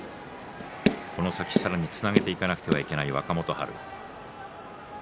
この先さらにつなげていかなければならない若元春。